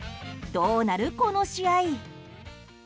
どうなる、この試合。